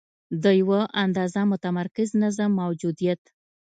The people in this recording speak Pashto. د یوه اندازه متمرکز نظم موجودیت.